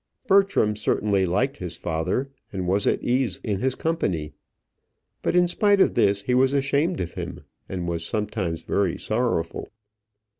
Bertram certainly liked his father, and was at ease in his company; but, in spite of this, he was ashamed of him, and was sometimes very sorrowful.